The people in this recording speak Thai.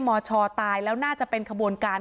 มชตายแล้วน่าจะเป็นขบวนการ